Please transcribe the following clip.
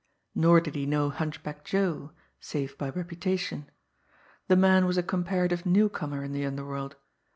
Nor did he know Hunchback Joe save by reputation. The man was a comparative newcomer in the underworld.